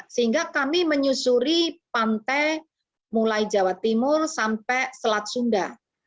sehingga kami menyusuri pantai mulai jawa timur sampai selat sunda